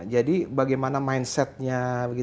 jadi bagaimana mindsetnya